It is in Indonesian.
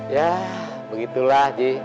yah begitulah ji